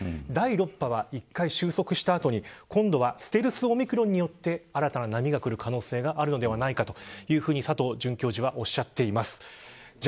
第６波は、１回収束した後に今度はステルスオミクロンによって新たな波が来る可能性があるのではないかというふうに佐藤准教授がおっしゃっています。